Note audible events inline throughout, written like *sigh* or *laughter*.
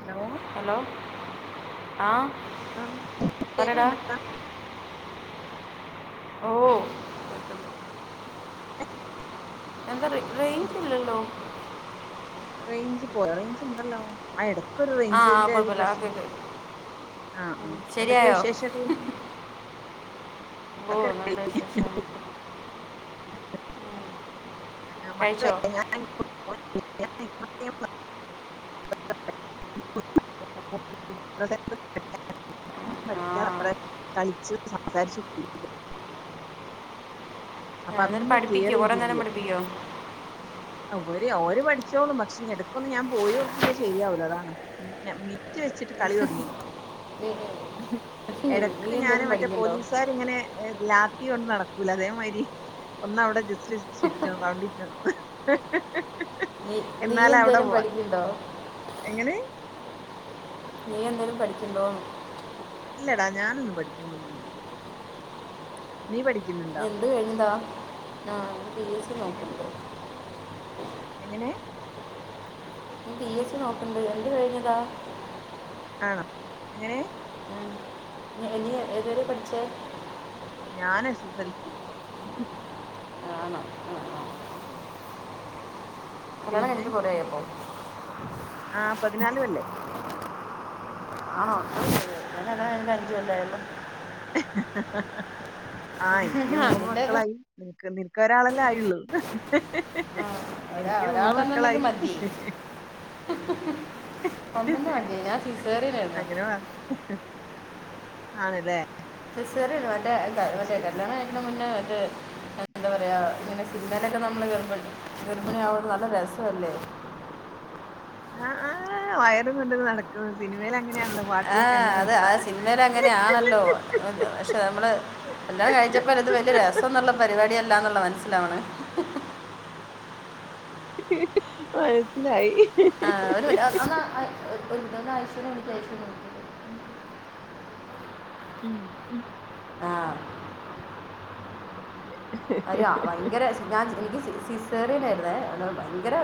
Hello hello ആഹ് ആഹ് പറടാ കേക്കുന്നുണ്ടാ ഓഹ് എന്തറീ ഉം റെയ്ഞ്ച്പോയൊ റെയ്ഞ്ച്ണ്ടല്ലോ ആഹ് ആ ആ എടക്കൊര്റേയ്ഞ്ചിന്റെ കുഴപ്പമില്ല ഓക്കെ ഓക്കെ ഒര്പ്രശ്നണ്ട് അഹ് ആഹ് ശരിയായോ എന്തൊക്കെവിശേഷള്ളേനു ഓഹ് നല്ലവിശേഷം ആഹ് മക്കള് കഴിച്ചോ *inaudible* *inaudible* ആ കളിച്ചു *inaudible* എന്തായാലും അപ്പഅതൊന്ന് പഠിപ്പിക്കോ കുറേ നേരം ക്ലിയറേയ്തങ്കിലേ പഠിപ്പിക്കോ അവര് ഓര്പഠിച്ചോളും പക്ഷെ ഇടക്കൊന്ന്ഞാൻപോയോക്കില്ലേ ശരിയാവൂല അതാണ് മിഞ്ഞ മീ ത്തിവെച്ചിട്ട് കളിതൊടങ്ങീക്കൊ ഉം ഉം എടക്ക് ഞാന് മറ്റേ പോലീസാര് ത്ങ്ങനെ ഏഹ് ലാത്തികൊണ്ട് നടക്കൂലെ. അതേമായ്രി ഒന്ന് അവടെ ജസ്റ്റ് ചുറ്റും റൗണ്ടിറ്റണം. നീ നീ എന്നാല അവിടെ എന്തേലും പോവാ പഠിക്ക്‌യ്ണ്ടോ? എങ്ങനെ? നീ എന്തേലും പഠിക്ക്‌യ്ണ്ടോന്ന്. ഇല്ലടാ ഞാനൊന്നും പഠിക്ക്യ്ണൊന്നുല്ല. നീ പഠിക്ക്യുന്നുണ്ടോ? *inaudible* കഴിഞ്ഞതാ ആഹ് പി എ സി എങ്ങനെ നോക്ക്ണ്ട്. എങ്ങനെ പി എ സി നോക്ക്ണ്ട്. എന്ത്‌കഴിഞ്ഞതാ? ആണോ, എങ്ങനെ? ഉം നി നീയ് ഏത് വരെ പഠിച്ചേ? ഞാന് എസ് എസ് എൽ സി. ആണോ കൊള്ളാം ഉം കല്ല്യാണം കഴിഞ്ഞിട്ട് കൊറേ ആയോ അപ്പം? ആ പതിനാല് കൊല്ലായി ആണോ *inaudible* എന്റെ കല്ല്യാണം കഴിഞ്ഞിട്ട് അഞ്ച് കൊല്ലായല്ലോ. ആഹ് ഇൻക്ക് മൂന്ന് അതിൻ്റെ മക്കളായി. നിൻക്ക് നിൻക്ക് ഒരാളല്ലേ ആയുള്ളൂ. ഒരാ എനിക്കു മൂന്ന് മക്കളായി. കൊമ്പന്റെവണ്ടിയേ ഞാൻ സിസേറിയനായിര്ന്ന്. ആണ്ലേ സിസേറിയൻല്ല മറ്റേ ക മറ്റേ ആ കല്ല്യാണം കഴി ക്ക്ണ് മുന്നേ ദ് എന്താപറയാ ഇങ്ങനെസിനിമേലൊക്കെ നമ്മള് ഗർഭണി ഗർഭിണി ആവോണ്ട് നല്ലര സവല്ലേ. ആഹ് ആഹ് വയറുംകൊണ്ട് നടക്കുന്ന് സിനിമേല് അങ്ങനെയാണല്ലോ. പാട്ടിലൊക്കെ ആഹ് നല്ല അത് രസാ ആഹ് സിൻമേല് അങ്ങനെയാണല്ലോ. പക്ഷെ നമ്മള് കല്ല്യാണം കഴിച്ചപ്പല്ലേ ഇത് വല്ല്യ രസംന്നുള്ള പരിപാടിയല്ലാന്നുള്ള മനസ്സിലാവ്ണ്. മനസിലായി. ആഹ് ഒരുവട്ടം ഒന്നാ അഹ് ഒര് ഒര് മിൻറ്റ് ഒന്നായ്ശൂനെ വിളിക്ക് അയ്‌ശൂനെ വിളിക്ക്. ഊം ഉം ആഹ് ഉം അതെ വരാ ഭയങ്കര ച്ച് ഞാൻ എനിക്ക് സിസേറിയനേര്ന്ന് അന്നേരം ഭയങ്കര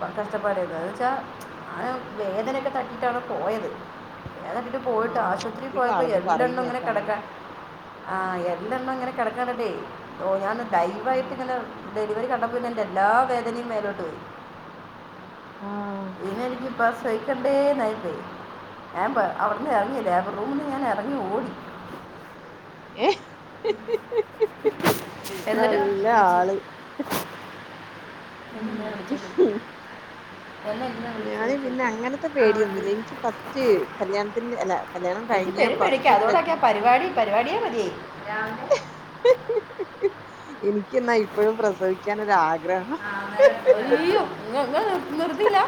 ക കഷ്ടപ്പാടായിരുന്നു എന്ന് വെച്ചാ ഞാനും വേദനയൊക്കെ തട്ടിട്ടാണ് പോയത്. *unintelligible* ട്ട് പോയിട്ട് ആഹ് ആശുപത്രിയിൽ അധികം പോയപ്പോ ആളത് എല്ലണ്ണും ഇങ്ങനെ പറയുന്നേക്ക അങ്ങനെ കിടക്കാ. ആഹ് എല്ലണ്ണും ഇങ്ങനെ കിടക്ക്ണ കണ്ടിട്ടേ ഓഹ് ഞാന് ലൈവായിട്ട് ഉം ഇങ്ങനെ ഡെലിവറി കണ്ടപ്പോ പിന്നെ എന്റെ എല്ലാ വേദനിം മേലോട്ട് പോയി. ആഹ് ഇനി എനിക്കി പ്രസവിക്കണ്ടേന്നായി പോയി. ഞാൻ പ അവിട്ന്ന് എറങ്ങി ലേബർ റൂ റൂമിന്ന് ഞാൻ ഇറങ്ങി ഓടി ഏഹ് എന്നിട്ട് നല്ല വിളിച്ചു ആള് ഉം എന്നാ ഇങ്ങ ഞാന് പിന്നെ അങ്ങനത്തെ പേടിയൊന്നുമില്ല എനിക്ക് ഫസ്റ്റ് കല്യാണത്തിന്റെ അല്ല കല്യാണം എനിക്ക് കഴിഞ്ഞ പെരുംപേടിയെക്കയാ ഫസ്റ്റ് പ്രഗ്ന അതോണ്ടെ‌ക്കെ പരിപാടി പരിപാടിയെ മതിയായി ആഹ് എനിക്ക് എന്നാ ഇപ്പഴും പ്രസവിക്കാൻ ഒരു ആഗ്ര അങ്ങനെ അയ്യോ നി നിങ്ങള് നിർത്തിയില്ല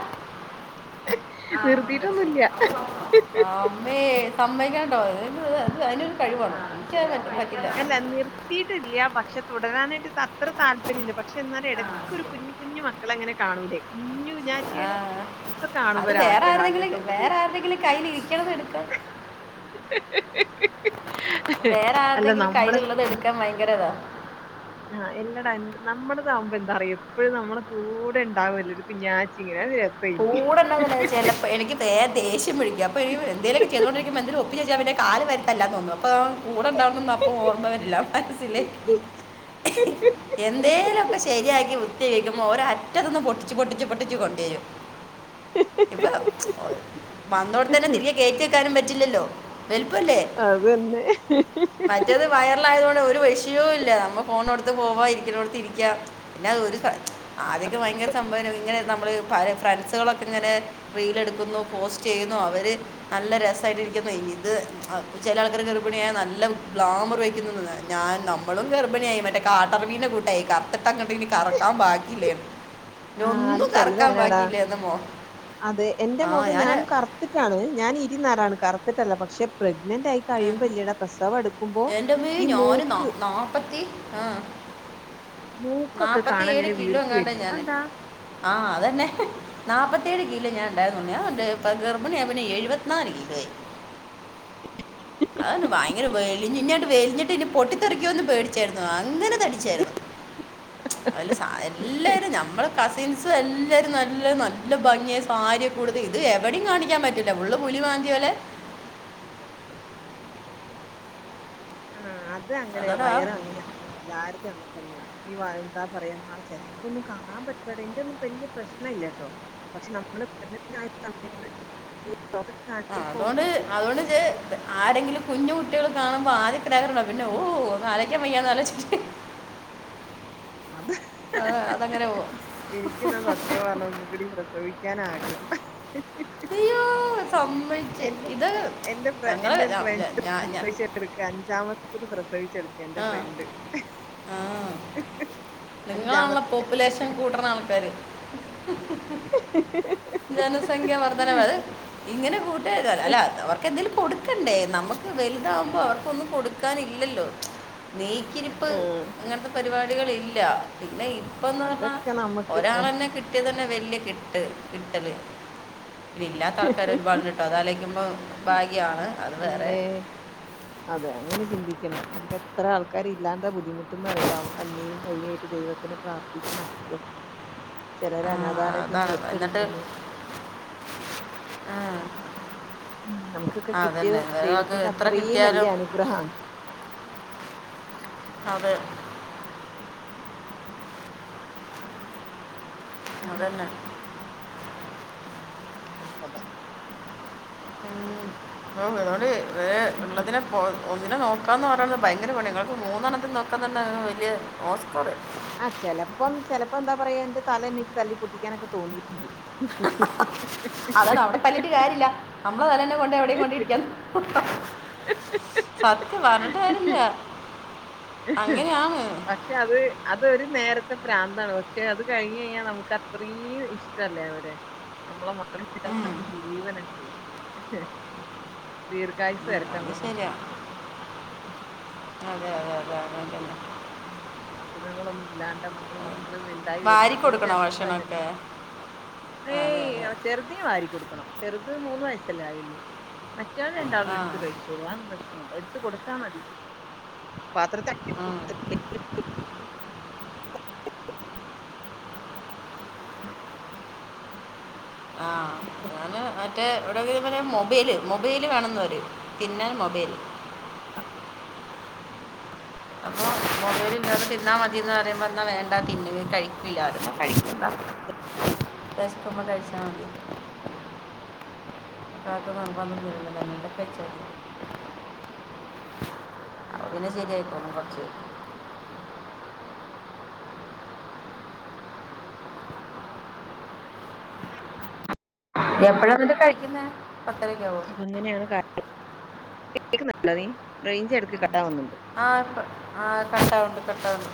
നിർത്തിയിട്ടൊന്നുല്ല ആന്നേ സമ്മതിക്കാണ്ടോ അതിനും കഴിവാണ് എനിക്കത് പറ്റില്ല അല്ല നിർത്തിയിട്ടില്ല പക്ഷെ തുടരാനായിട്ട് അത്ര താല്പര്യ താല്പര്യമില്ല പക്ഷേ എന്നാല് ആ എടക്ക്‌ ഒരു ശരി കുഞ്ഞു കുഞ്ഞു മക്കളെ ഇങ്ങനെ കാണൂലേ കുഞ്ഞ് ആഹ് അത് വേറെ ആഗ്രഹം ആരുടെങ്കിലും അങ്ങനത്തെ ഒന്നും വേറെ ആരുടെങ്കിലും കൈയില് ഇരിക്കണത് എടു വേറെ അല്ല ആരുടെങ്കിലും നമ്മള് കയ്യിലുള്ളത് എടു എടുക്കാൻ ഭയങ്കര ഇതാ ആഹ് ഇല്ലട നമ്മുടെതാവുമ്പോ എന്താ പറയും എപ്പഴും നമ്മടെ കൂടെ ഇണ്ടാവുല്ലേ ഒരു കുഞ്ഞാട്ടിങ്ങനെ നല്ല രസം ഇനി കൂടെണ്ടാവുവല്ലേ ചെലപ്പോ എനിക്ക് ദേ ദേഷ്യം പിടിക്കും അപ്പോഇരിക്കുമ്പോൾ എന്തേലൊക്കെ ചെയ്തുകൊണ്ടിരിക്കുമ്പോ എന്തേലും ഒപ്പി ചേച്ച അവന്റെ കാല് നിലത്തല്ലാന്ന് തോന്നും അപ്പൊ കൂടണ്ടാവണന്നും അപ്പൊ ഓർമ്മ വരില്ല മനസ്സിലേ എന്തേലൊക്കെ ശരിയാക്കി വൃത്തി ആക്കുമ്പോ ഓരോ അറ്റത്തൊന്ന് പൊട്ടിച്ച് പൊട്ടിച്ച് പൊട്ടിച്ച് കൊണ്ട്‌ വരും ഇപ്പൊ വന്നോടത്ത് തന്നെ തിരികെ കേറ്റി വെക്കാനും പറ്റില്ലല്ലോ എളുപ്പല്ലേ അതന്നെ മറ്റേത് വയറില് ആയതൊണ്ട് ഒരു വിഷയോം ഇല്ല നമ്മള് പോണോടുത്ത് പോവാ ഇരിക്കണടുത്തു ഇരിക്ക പിന്നെ ഒരു സ ആദ്യക്കെ ഭയങ്കര സംഭവാന്ന് ഇങ്ങനെ നമ്മള് ഫ്രണ്ട്സുകളൊക്കെ ഇങ്ങനെ റീല് എടുക്കുന്നു പോസ്റ്റ് ചെയ്യുന്നു അവര് നല്ല രസമായിട്ടിരിക്കുന്നു ഇത് ചെല ആൾക്കാര് ഗർഭിണിയായൽ നല്ല ഗ്ലാമറ് വെക്കുന്നന്ന് ഞാൻ നമ്മളും ഗർഭിണിയായി മറ്റേ കാട്ടാ പന്നിനെ കൂട്ടായി കറത്തിട്ട് അങ്ങോട്ട് ഇനി കറക്കാൻ ബാക്കില്ലേന്ന് ആഹ് അത് ചെലര് അങ്ങനെയാടാ ബാക്കിയില്ലായിരുന്നു മോ അതെ എന്റെ ആ മോൾക്കും ഞാൻ ഞാനും കറ ത്തിട്ടാണ് ഞാൻ ഇരുനിറാണ് കറുത്തിട്ടല്ല പക്ഷെ പ്രെഗ്നന്റ് ആയി കഴിയുമ്പോല്ലടാ പ്രസവം അടുക്കുമ്പോ ഈ മൂക്ക് നാപ്പത്തി ആഹ് മൂക്കൊക്കെ നാപ്പത്തി കാണാ ഏഴ് ഇങ്ങനെ കിലോ വീർത്ത് എങ്ങാണ്ട് വരുന്ന് ഞാന് അതെന്താ ആ അതന്നെ നാപ്പത്തി ഏഴു കിലോ ഞാൻ ഉണ്ടായിരുന്നൊള്ളു ഞാൻ ഗർഭിണിയാപ്പിന്നെ എഴുപത്തിനാല് കിലോ ആയി അതൊന്ന് ഭയങ്കര വലിഞ്ഞിട്ട് വെലഞ്ഞിട്ട് പിന്നെ പൊട്ടിത്തെറിക്കർന്ന് പേടിച്ചാരുന്ന് അങ്ങനെ തടിച്ചാരുന്നു അല്ല സ എല്ലാരും ഞമ്മള കസിൻസ് എല്ലാരും നല്ല നല്ല ഭംഗിയായി സാരിയെക്കെ ഉടുത്ത് ഇത് എവിടെയും കാണിക്കാൻ പറ്റ ല്ല ഫുള്ള് പുലി മാന്തിയ പോലെ ആഹ് അത് അങ്ങനെയാ അതോടാ വയറ് അങ്ങനെയാവൂടാ എല്ലാർക്കും അങ്ങനെ തന്നെയാ ഈ വ എന്താ പറയക എന്നാ ചെലർക്കൊന്നും കാണാൻ പറ്റില്ലടെ എനിക്കൊന്നും വലിയ പ്രശ്നം ഇല്ല കേട്ടോ പക്ഷേ നമ്മള് പ്രെഗ്നന്റ് ആയ സമയത്ത് *unintelligible* ആഹ് അതുകൊണ്ട് അതുകൊണ്ട് ഞാൻ ആരെങ്കിലും കുഞ്ഞു കുട്ടികൾ കാണുമ്പോ ആദ്യ *unintelligible* പിന്നെ ഓഹ് ഒന്ന് ആലോചിക്കാൻ വയ്യ ഒന്ന് ആലോചിച്ചേ അത് അത് അതങ്ങനെ പോകും എനിക്കിന്നാ സത്യം പറഞ്ഞാ ഒന്നും കൂടിം പ്രസവിക്കാനാഗ്രം അയ്യോ സമ്മയിച്ച് ഇത് എന്റെ ഞങ്ങള് എന്റെ ഒരു ഞാ ഞാ ഫ്രണ്ട് ഞാൻ *unintelligible* അഞ്ചാമത്തത് പ്രസവിച്ചെടുക്കാ എന്റെ ആ ഫ്രണ്ട് നിങ്ങളാണല്ലേ അഞ്ചാമത്തെ പോപ്പുലേഷൻ കൂട്ടണ ആൾക്കാര് ജനസംഖ്യാ വർദ്ധനവ് അത് ഇങ്ങനെ കൂട്ടീയാ അല്ല അവർക്ക് എന്തേലും കൊടുക്കണ്ടേ നമ്മക്ക് വെലുതാവുമ്പോ അവർക്കൊന്നും കൊടുക് ക്കാൻ ഇല്ലല്ലോ നീക്കിരിപ്പ് ആഹ് അങ്ങനത്തെ പരിപാടികൾ ഇല്ല പിന്നെ ഇപ്പന്ന് പറഞ്ഞാ അതൊക്കെ നമുക്ക് ഒരാളെന്നെ കിട്ടിയതെന്നെ വെല്യ കിട്ട് കിട്ടല് ഇല്ലാത്ത ആൾക്കാര് ഒരുപാട് ഇണ്ട്ട്ടോ അതാലോചിക്കുമ്പോ ഭാഗ്യാണ് അത് വേറെ പിന്നെ അതെ അങ്ങനെ ചിന്തിക്കണം നമുക്ക് എത്ര ആൾക്കാര് ഇല്ലാണ്ടെ ബുദ്ധിമുട്ട്ന്ന് അറിയാം പാവം കണ്ണീരും കയ്യായിട്ട് ദൈവ ത്തിനെ പ്രാർത്ഥിച്ച് നടക്കാ ചെലര് അനാഥാലയത്തിന്ന് ദെത്തെടുക്കുന്നു ആഹ് ഉം നമുക്കൊക്കെ കിട്ടിയത് ദൈവത്തിന്റെ എത്ര അത്രേം കിട്ടിയാലും വല്യ അനുഗ്രഹാണ് അതെ അതന്നെ ഉം അങ്ങനെയാണ് കഥ ഉം *unintelligible* വേം ഇള്ളതിനെ പോ ഒന്നിനെ നോക്കാന്ന് പറേണത് ഭയങ്കര പണിയാ ഇങ്ങൾക്ക് മൂന്നെണ്ണത്തിനെ നോക്കാന്ന് പറഞ്ഞാ വല്യ ഓസ്‌ക്കാറ് തെരും ആഹ് ചെലപ്പം ചെലപ്പോ എന്താ പറയാ എന്റെ തല എനിക്ക് തല്ലി പൊട്ടിക്കാനൊക്കെ തോന്നിട്ടുണ്ട് അതാണ് അവിടെ തല്ലീട്ട് കാര്യല്ല നമ്മളെ തലെന്നെ കൊണ്ടാ എവിടേം കൊണ്ടേ ഇടിക്കാൻ സത്യം പറഞ്ഞിട്ട് കാര്യല്ല അങ്ങനെയാണ് പക്ഷെ അത് അതൊരു നേരത്തെ പ്രാന്താണ് പക്ഷെ അത് കഴിഞ്ഞ് കഴിഞ്ഞാൽ നമുക്ക് അത്രേം ഇഷ്ട്ടല്ലേ അവരെ നമ്മളെ മക്കളെന്നു വെച്ചാല് ഉം. നമുക്ക് ജീവനല്ലേ ദീർഘായുസ് ഉം, തരട്ടെ അത് നമ്മളെ ശരിയാ മക്കക്കൊക്കെ അതെ അതെ അതെ അത് തന്നെ ഉം അസുഖങ്ങളൊന്നും ഇല്ലാണ്ട് നമ്മള് മക്കള് വലുതായി വാരി വരുന്ന അതൊരു കൊടുക്കണോ രസം ഭക്ഷണമൊക്കെ തന്നല്ലേട മക്കള് അതെ ഏയ് അതെ ചെറുതിന് വാരി കൊടുക്കണം ചെറുത് മൂന്ന് വയസ്സല്ലേ ആയുള്ളൂ മറ്റാള് രണ്ടാളും ആ എടുത്ത് കഴി *unintelligible* ആ ഒന്നും പ്രശ്നല്ല എടുത്ത് കൊടുത്താ മതി പാത്രത്ത് *unintelligible* ഉം. ആഹ് *unintelligible* മറ്റേ ഇവിടെ *unintelligible* മൊബൈല് മൊബൈല് കാണുന്നോര് തിന്നാൻ മൊബൈല് അപ്പൊ മൊബൈല് ഇല്ലാതെ തിന്നാ മതീന്ന് പറയുമ്പോ ഇന്നാ വേണ്ട തിന്നാ കഴിക്കില്ലാ *unintelligible* എന്നാ കഴിക്കണ്ടാ വെശക്കുമ്പം കഴിച്ചാ മതി *unintelligible* ഇവിടെ ആർക്കും നിർബന്ധം ഒന്നുല്ലാ വേണെങ്കി കഴിച്ചാ മതി അപ്പ പിന്ന ശരിയായിക്കോളും കൊറച്ച് കഴിഞ്ഞ് എപ്പഴാ പിന്നെ കഴിക്കുന്നെ പത്തരെക്കെ ആവോ? അപ്പ അങ്ങനെയാണ് *unintelligible* കേക്കുന്നുണ്ടോ നീ റേഞ്ച് എടക്ക് കട്ടാവ്ന്ന്ണ്ട്‌ ആഹ് ആഹ് കട്ടാവുണ്ട് കട്ടാവുണ്ട്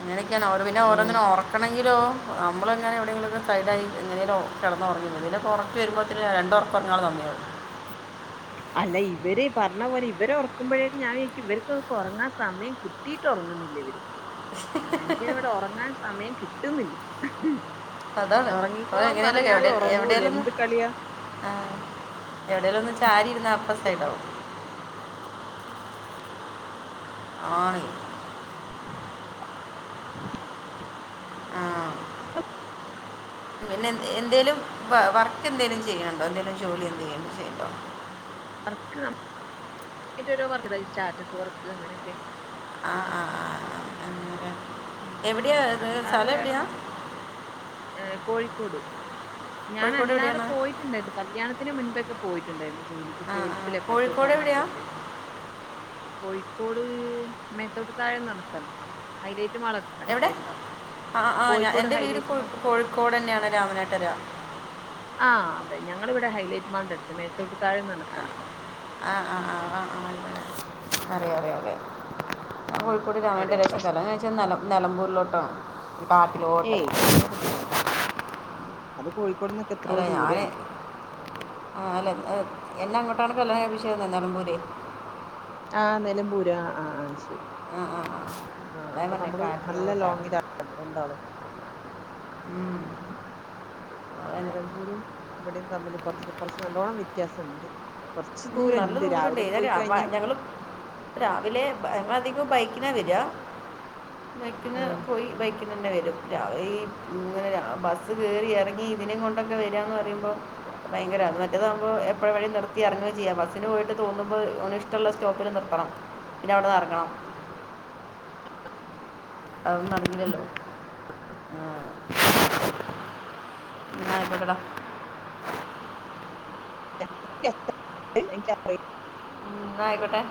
അങ്ങനെക്കെയാണ് ഓറ് പിന്നെ ഉം ഓരങ്ങനെ ഒറ ക്കണെങ്കിലോ നമ്മളങ്ങനെ എവിടെങ്കിലൊക്കെ സൈഡായി എങ്ങനെലും ഒ കെടന്നുറങ്ങും ഇതിനൊക്കെ ഒറക്ക് വരുമ്പത്തിന് രണ്ടൊറക്ക് ഒറങ്ങാൻള്ള സമയാവും അല്ല ഇവര് പറഞ്ഞ പോലെ ഇവരെ ഒറക്കുമ്പഴേക്ക് ഞാൻ വിചാരിക്കും ഇവർക്കൊക്ക് ഒറങ്ങാൻ സമയം കി കിട്ടീട്ട് ഒറങ്ങുന്നില്ല്യ വര് മനുഷ്യന് ഇവിടെ ഒറങ്ങാൻ സമയം കിട്ടുന്നില്ല അപ്പം അതാണ് അവൾ ഒറങ്ങിക്കോളാൻ എങ്ങനെയല്ലേ പറഞ്ഞാലും എവിടെ ഒറങ്ങൂല എവിടെയെല്ലാം ഒന്ന് എന്ത് കളിയാ ആ എവിടെലും ഒന്ന് ചാരി ഇരുന്ന അപ്പ സൈഡാവും ആണ് ആ *inaudible* പിന്നെ എന്ത്‌ എന്തേലും വ വർക്ക് എന്തേലും ചെയ്യണ് ണ്ടോ എന്തേലും ജോലി എന്തെങ്കും ചെയ്യ്ണ്ടോ? വർക്ക് അം ഇന്റെ ഓരോ വർക്ക്ണ്ട് ഈ സ്റ്റാറ്റസ് വർക്ക് അങ്ങനെയൊക്കെ ആ ആ ആ ആ അന്നേരം ഉം അല്ലാതെ വേറൊന്ന് ഏ കോഴിക്കോട് കോഴിക്കോട് ഞാാനല്ലാതെ എവിടെയാണ് പോയിറ്റ്ണ്ടാര്ന്നു കല്യാണത്തിന് മുൻപൊക്കെ പോയിറ്റ്ണ്ടാര്ന്നു ജോലിക്ക് ആ ആ സേൽസ് തിലൊക്കെ സൂപ്പർ കോഴിക്കോട് എവിടെയാ മാർക്കറ്റില് കോഴിക്കോട് മേത്തോട്ട് താഴെന്നർഞ്ഞ സ്ഥൽത്ത് ഹൈലൈറ്റ് മാളക്കെ എവ്ടെ അ അ ആ ഞ എന്റെ വീട് ഹൈലൈറ്റ് കൊഴ് മാൾ കോഴിക്കോടെന്നേണ് രാമനാട്ടര ആ അവ്ടെ ഞങ്ങള് വ്ടെ ഹൈലേറ്റ്മാൾന്റട്ത്ത് മേത്തോട്ട് താഴംന്നർഞ്ഞ സ്ഥൽത്താ ആ ആ ആ ആ ആല്ലല്ല ഉം അറിയാം അറിയാം അറിയാം ഞാൻ ഉം കോഴിക്കോട് രാമനട്ട് ര അവിടെയാണ് പക്ഷേ കല്യാണം കഴിച്ചത് നെല നെലമ്പൂരിലോട്ടാണ് ഈ കാട്ടിലോട്ട് അങ്ങോട്ടൊന്നും പോണ്ടെടാ അത് കോഴിക്കോട് ന്നെക് അല്ല ഞാന് ആ അല്ല എന്നെ അങ്ങോട്ടാണ് കല്ല്യാണം കഴിപ്പിച്ചെതെന്ന് നെലമ്പൂരയ് ആ നെലമ്പൂര് ആ ആ ആ അത് ശരി ആഹ് ആഹ് ആഹ് ആ അപ്പൊ നമ്മള് നല്ല ലോങ്ങിലാള്ളത് രണ്ടാളും ഉം അതന്നെ നിലമ്പൂരും ഇവിടെയും തമ്മിൽ കൊർച്ച് കൊർച്ച് നല്ലോണം വ്യത്യാസംണ്ട് കൊർച്ച് ഉം, ദൂരം നല്ല ണ്ട് ദൂരമുണ്ട് രാവിലെ പോയി ഇതാ കഴിഞ്ഞാൽ ഞങ്ങൾ രാവിലെ ബ ഞങ്ങളധികും ബൈക്ക്ന വര ബൈക്ക്ന് ആ പോയി ബൈക്ക് ന് ന്നെവരും രാവ്‌ ഈ ഇങ്ങനെ രാ ബസ്സ് കേറി ഇറങ്ങി ഇതിനേം ങ്ങൊണ്ടൊക്കെ വരാന്ന് പറയുമ്പോ ഭയങ്കരാകും മറ്റതാകുമ്പോ എപ്പഴ് വഴി നിർത്തി എർങ്ങി ചെയ ബസ്സിന് പോയിട്ട് തോന്നുമ്പോ ഓന് ഇഷ്ട്ടള്ള സ്റ്റോപ്പില് നിർത്തണം പിന്നെ അവിടെന്ന്റങ്ങണം. അതൊന്നും നടന്നില്ലല്ലോ ആഹ് ഇന്നാ അയ് കോട്ടെ ടാ *unintelligible* ഇൻക് *unintelligible* ഉം ന്നാ അയ്ക്കോട്ടെ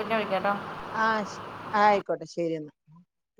പിന്നെ വിളിക്കാംട്ടോ ആ ശ് ആയ്ക്കോട്ടെ ശരി എന്നാ